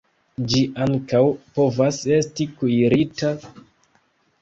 Ĝi ankaŭ povas esti kuirita.